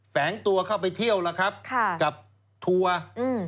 แฝงตัวเข้าไปเที่ยวล่ะครับกับทัวร์